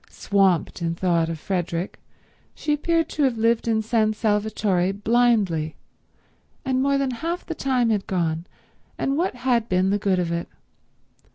Swamped in thought of Frederick, she appeared to have lived in San Salvatore blindly, and more than half the time had gone, and what had been the good of it?